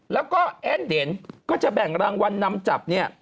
แล้วก็แอ้นเดนก็จะแบ่งรางวัลนำจับเนี่ย